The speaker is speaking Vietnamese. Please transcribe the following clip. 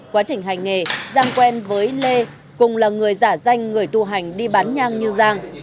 quá trình hành nghề giang quen với lê cùng là người giả danh người tu hành đi bán nhang như giang